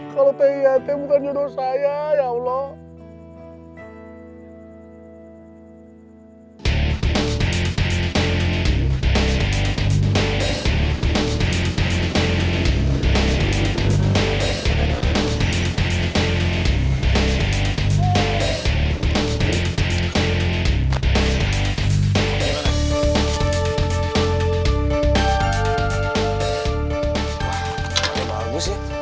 kalau teh iate bukan jodoh saya ya allah